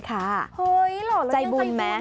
เห้ยเหล่าแล้วยังใจบุญ